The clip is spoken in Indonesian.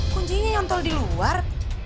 kuncinya nyontol di luar